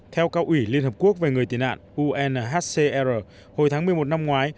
theo cao ủy liên hợp quốc về người tị nạn unhcr hồi tháng một mươi một năm ngoái